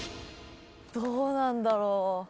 どうなんだろう。